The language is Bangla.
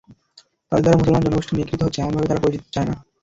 তাদের দ্বারা মুসলমান জনগোষ্ঠী নিগৃহীত হচ্ছে—এমনভাবে তারা পরিচিতি পেতে চায় না।